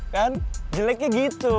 kan jeleknya gitu